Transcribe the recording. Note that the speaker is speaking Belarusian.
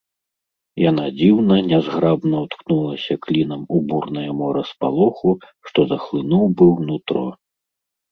Яна дзіўна, нязграбна ўткнулася клінам у бурнае мора спалоху, што захлынуў быў нутро.